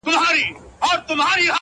په عاشقي کي بې صبرې مزه کوینه-